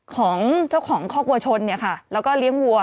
ของเจ้าของคอกวัวชนแล้วก็เลี้ยงวัว